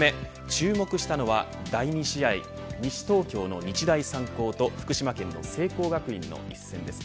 注目したのは第２試合西東京の日大三高と福島県の聖光学院の一戦です。